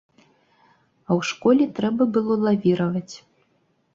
А ў школе трэба было лавіраваць.